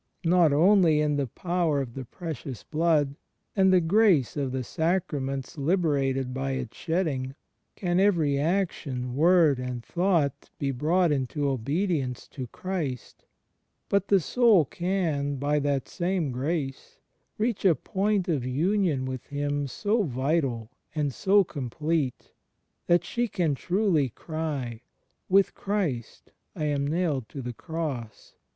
Not only, in the power of the Precious Blood, and the grace of the sacraments liberated by Its shedding, can every ^ Zach. ziii : I. 'I John i : 7. CHRIST IN HIS HISTORICAL LIFE 147 action, word and thought be brought into obedience to Christ, but the soul can, by that same grace, reach a point of union with Him so vital and so complete that she can truly cry "with Christ I am nailed to the Cross.